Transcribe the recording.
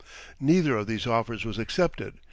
Neither of these offers was accepted.